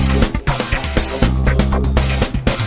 oh robert kan